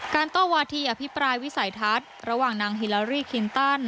โต้วาทีอภิปรายวิสัยทัศน์ระหว่างนางฮิลารี่คินตัน